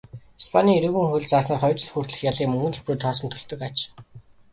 Испанийн эрүүгийн хуульд зааснаар хоёр жил хүртэлх ялыг мөнгөн төлбөрөөр тооцон төлж болдог аж.